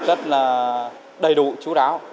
rất là đầy đủ chú đáo